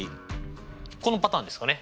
このパターンですかね。